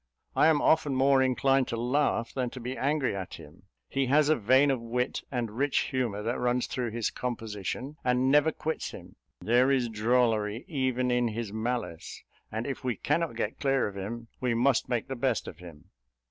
I am often more inclined to laugh than to be angry at him; he has a vein of wit and rich humour that runs through his composition, and never quits him. There is drollery even in his malice, and, if we cannot get clear of him, we must make the best of him."